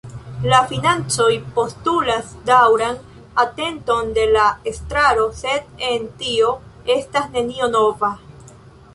La financoj postulas daŭran atenton de la estraro, sed en tio estas nenio nova.